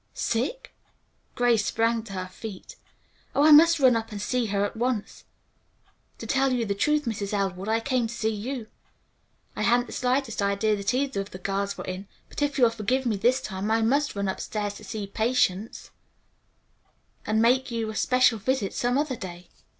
"Sick!" Grace sprang to her feet. "Oh, I must run up and see her at once. To tell you the truth, Mrs. Elwood, I came to see you. I hadn't the least idea that either of the girls were in, but if you'll forgive me this time I'll run upstairs to see Patience and make you a special visit some other day."